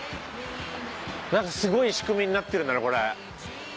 なんかすごい仕組みになってるんだねこれ。